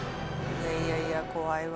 「いやいや怖いわ」